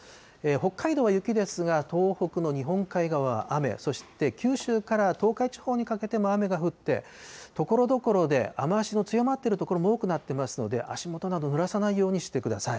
北海道は雪ですが、東北の日本海側は雨、そして九州から東海地方にかけても雨が降って、ところどころで雨足の強まっている所も多くなっていますので、足元などぬらさないようにしてください。